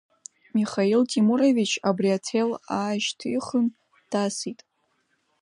Михаил Темурович абри аҭел аашьҭихын, дасит…